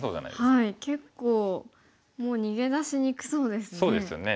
結構もう逃げ出しにくそうですね。